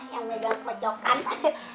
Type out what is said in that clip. yang megang kebocokan